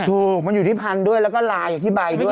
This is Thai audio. ถูกมันอยู่ที่พันธุ์ด้วยแล้วก็ลายอยู่ที่ใบด้วย